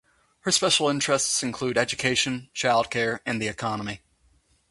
Her special interests include education, childcare and the economy.